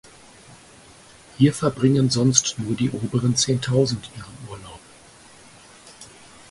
Hier verbringen sonst nur die „oberen Zehntausend“ ihren Urlaub.